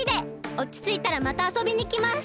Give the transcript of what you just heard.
おちついたらまたあそびにきます！